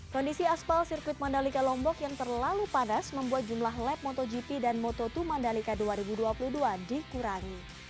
kondisi aspal sirkuit mandalika lombok yang terlalu panas membuat jumlah lab motogp dan moto dua mandalika dua ribu dua puluh dua dikurangi